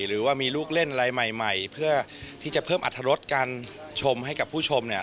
หรือว่ามีลูกเล่นอะไรใหม่ใหม่เพื่อที่จะเพิ่มอัตรรสการชมให้กับผู้ชมเนี่ย